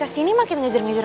saya bantu ya